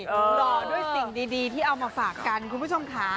หล่อด้วยสิ่งดีที่เอามาฝากกันคุณผู้ชมค่ะ